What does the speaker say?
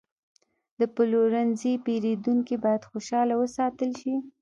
د پلورنځي پیرودونکي باید خوشحاله وساتل شي.